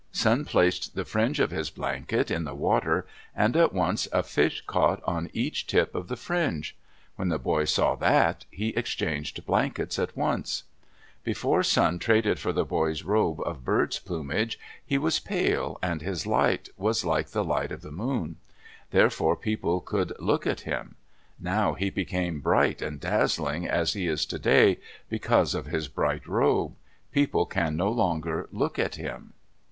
Sun placed the fringe of his blanket in the water, and at once a fish caught on each tip of the fringe. When the boy saw that, he exchanged blankets at once. Before Sun traded for the boy's robe of birds' plumage, he was pale, and his light was like the light of the moon. Therefore people could look at him. Now he became bright and dazzling as he is today, because of his bright robe. People can no longer look at him.